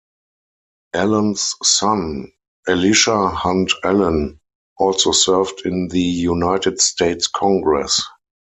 Allen's son, Elisha Hunt Allen, also served in the United States Congress.